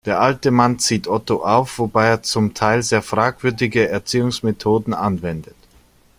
Der alte Mann zieht Otto auf, wobei er zum Teil sehr fragwürdige Erziehungsmethoden anwendet.